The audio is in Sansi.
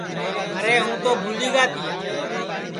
ارے ہوں تو بُھولی گا تیا